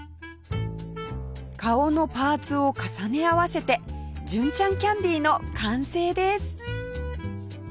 顔のパーツを重ね合わせて純ちゃんキャンディーの完成です